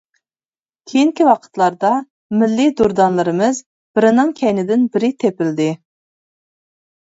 كېيىنكى ۋاقىتلاردا مىللىي دۇردانىلىرىمىز بىرىنىڭ كەينىدىن بىرى تېپىلدى.